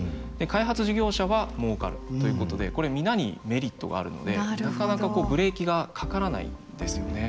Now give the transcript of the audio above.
開発事業者はもうかるということでこれ皆にメリットがあるのでなかなかブレーキがかからないんですよね。